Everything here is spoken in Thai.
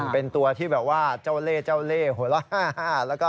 เป็นตัวที่แบบว่าเจ้าเล่โหละแล้วก็